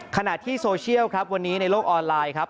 ขณะที่โซเชียลครับวันนี้ในโลกออนไลน์ครับ